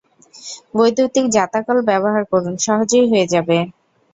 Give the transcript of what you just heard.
বৈদ্যুতিক জাঁতাকল ব্যবহার করুন, সহজেই হয়ে যাবে।